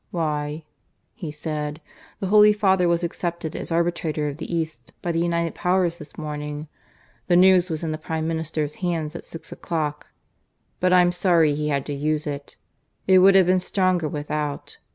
"Why," he said, "the Holy Father was accepted as Arbitrator of the East by the united Powers this morning. The news was in the Prime Ministers hands at six o'clock. But I'm sorry he had to use it; it would have been stronger without.